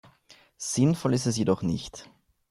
Sinnvoll ist es jedoch nicht.